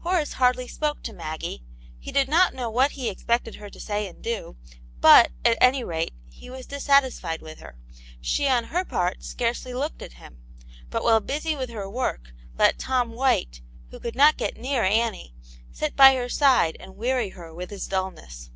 Horace hardly spoke to Maggie ; he did not know what he expected her to say and do, but, at any rate, he was dissatisfied with her; she on her part, scarcely looked at him, but while busy with her work, let Tom White, who could not get near Annie, sit by her side and weary her with his dullness.